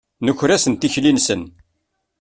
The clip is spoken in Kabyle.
Nuker-asen tikti-nsen.